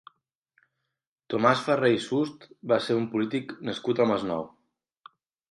Tomàs Ferrer i Sust va ser un polític nascut al Masnou.